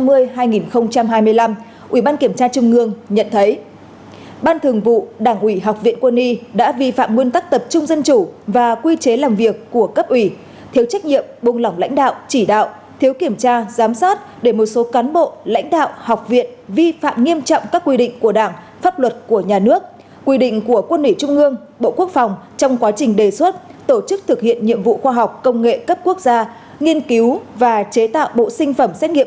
ba xem xét kết quả kiểm tra khi có dấu hiệu vi phạm đối với ban thường vụ đảng ủy học viện quân y đã vi phạm nguyên tắc tập trung dân chủ và quy chế làm việc của cấp ủy thiếu trách nhiệm bùng lỏng lãnh đạo chỉ đạo thiếu kiểm tra giám sát để một số cán bộ lãnh đạo học viện vi phạm nghiêm trọng các quy định của đảng pháp luật của nhà nước quy định của quân ủy trung ương bộ quốc phòng trong quá trình đề xuất tổ chức thực hiện nhiệm vụ khoa học công nghệ cấp quốc gia nghiên cứu và chế tạo bộ sinh phẩm xét nghiệ